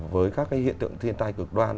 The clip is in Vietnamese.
với các cái hiện tượng thiên tai cực đoan